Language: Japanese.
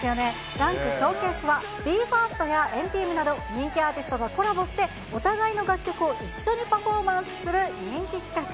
ダンクショーケースは、ＢＥ：ＦＩＲＳＴや＆ＴＥＡＭなど人気アーティストがコラボして、お互いの楽曲を一緒にパフォーマンスする人気企画。